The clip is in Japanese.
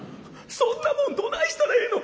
そんなもんどないしたらええの！？